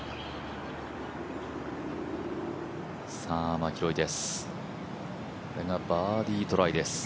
マキロイです、これがバーディートライです。